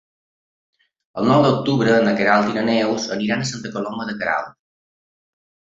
El nou d'octubre na Queralt i na Neus aniran a Santa Coloma de Queralt.